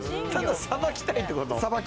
さばきたいってこと？